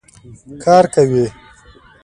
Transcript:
کار کوي.